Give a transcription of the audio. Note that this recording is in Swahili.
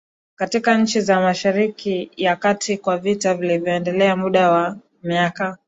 katika nchi za Mashariki ya Kati kwa vita vilivyoendelea muda wa miaka